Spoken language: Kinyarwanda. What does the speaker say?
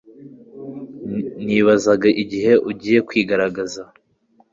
Nibazaga igihe ugiye kwigaragaza